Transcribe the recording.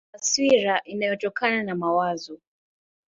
Ni taswira inayotokana na mawazo.